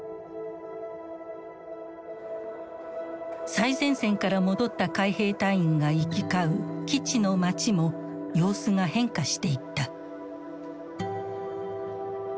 最前線から戻った海兵隊員が行き交う基地の街も様子が変化していった。